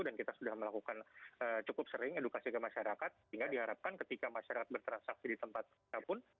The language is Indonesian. dan kita sudah melakukan cukup sering edukasi ke masyarakat sehingga diharapkan ketika masyarakat bertransaksi di tempat apapun